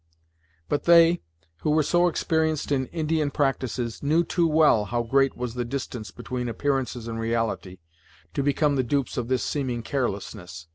But they, who were so experienced in Indian practices, knew too well how great was the distance between appearances and reality, to become the dupes of this seeming carelessness.